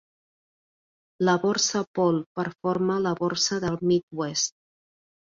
La borsa Paul per forma la borsa del Mid-oest.